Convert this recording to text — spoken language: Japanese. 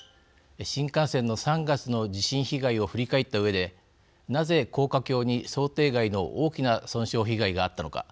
新幹線の３月の地震被害を振り返ったうえでなぜ、高架橋に想定外の大きな損傷被害があったのか。